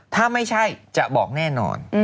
ถ้าไม่ใช่จะบอกแน่นอน